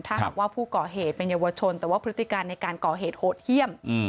ถ้าหากว่าผู้ก่อเหตุเป็นเยาวชนแต่ว่าพฤติการในการก่อเหตุโหดเยี่ยม